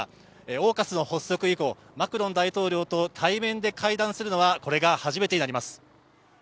ＡＵＫＵＳの発足以降、マクロン大統領と対面で会談するのはこれが初めてとなります。